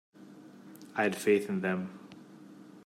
I had faith in them.